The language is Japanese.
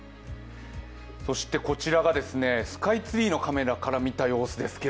そしてこちらがスカイツリーのカメラから見た様子です。